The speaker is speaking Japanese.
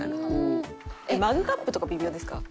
マグカップとか微妙ですか？